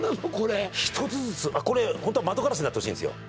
１つずつこれホントは窓ガラスになってほしいんですよ